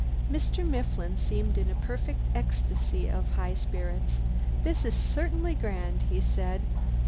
Mr. Mifflin seemed in a perfect ecstasy of high spirits. "This is certainly grand," he said.